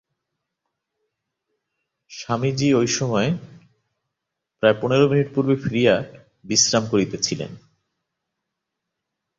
স্বামীজী ঐ সময়ের প্রায় পনর মিনিট পূর্বে ফিরিয়া বিশ্রাম করিতেছিলেন।